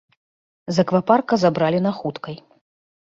З аквапарка забралі на хуткай.